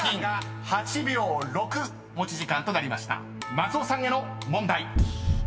［松尾さんへの問題］